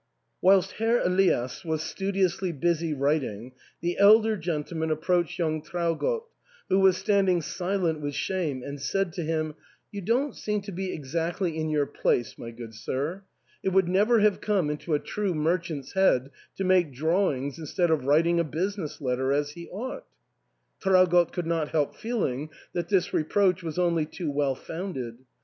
" Whilst Herr Elias was studiously busy writing, the elder gentleman approached young Traugott, who was standing silent with shame, and said to him, "You don't seem to be exactly in your place, my good sir.'^ It would never have come into a true merchant's head to make drawings instead of writing a business letter as he ought." Traugott could not help feeling that this reproach was only too well founded.